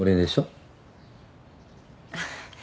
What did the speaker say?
あっ。